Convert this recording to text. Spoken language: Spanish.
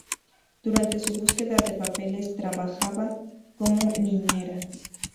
Durante su búsqueda de papeles, trabajaba como niñera.